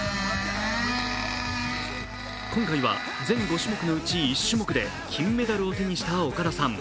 今回は全５種目のうち１種目で金メダルを手にした岡田さん。